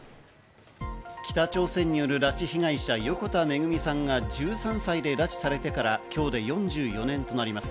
北朝鮮による拉致被害者・横田めぐみさんが１３歳で拉致されてから今日で４４年となります。